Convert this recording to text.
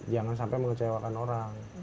jangan sampai mengecewakan orang